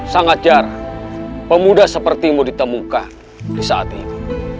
sangat jarang pemuda seperti mu ditemukan di saat ini